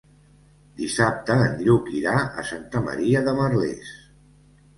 Dissabte en Lluc irà a Santa Maria de Merlès.